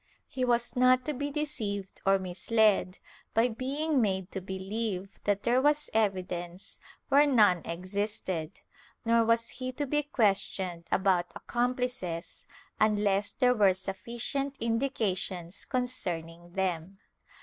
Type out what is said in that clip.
He was not to be deceived or misled by being made to believe that there was evidence where none existed, nor was he to be questioned about accomplices, unless there were sufficient indications con cerning them.